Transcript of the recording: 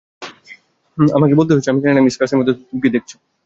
আমাকে বলতেই হচ্ছেঃ আমি জানি না মিস ক্রসের মধ্যে তুমি কী দেখেছো।